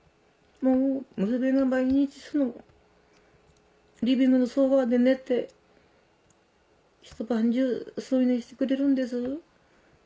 娘が毎日そのリビングのソファで寝てひと晩中添い寝してくれるんです。